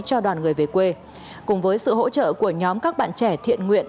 cho đoàn người về quê cùng với sự hỗ trợ của nhóm các bạn trẻ thiện nguyện